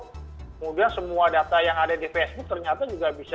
kemudian semua data yang ada di facebook ternyata juga bisa